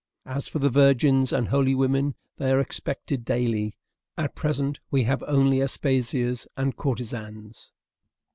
As for the virgins and holy women, they are expected daily; at present, we have only Aspasias and courtesans.